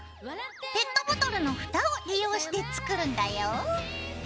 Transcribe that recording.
ペットボトルのふたを利用して作るんだよ。